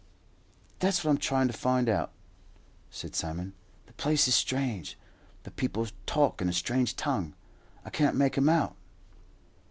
"That's what I'm trying to find out," said Simon. "The place is strange; the people talk in a strange tongue. I can't make 'em out."